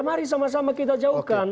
mari sama sama kita jauhkan